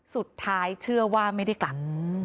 สุดท้ายเชื่อว่าไม่ได้กลับ